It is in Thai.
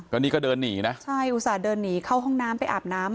ก็นี่ก็เดินหนีนะใช่อุตส่าห์เดินหนีเข้าห้องน้ำไปอาบน้ำ